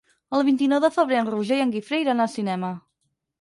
El vint-i-nou de febrer en Roger i en Guifré iran al cinema.